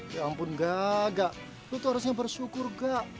ya ampun gak gak lo tuh harusnya bersyukur gak